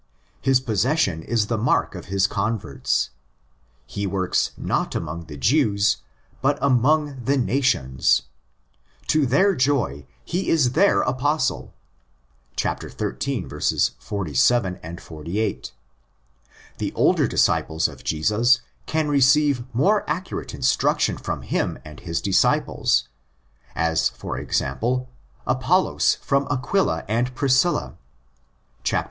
Its possession is the mark of his converts. He works not among the Jews, but among the ''nations.'' To their joy he is their Apostle (xiii. 47 48). The older disciples of Jesus can receive more accurate instruction from him and his disciples; as, for example, Apollos from Aquila and Priscilla (xviii.